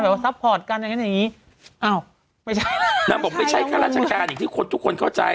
ซัพพอร์ตกันอย่างงั้นอย่างงี้อ้าวไม่ใช่ล่ะนางบอกไม่ใช่ข้าราชการอย่างที่คนทุกคนเข้าใจ